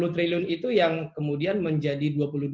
tiga puluh triliun itu yang kemudian menjadi